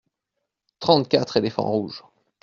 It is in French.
Trente-quatre éléphants rouges.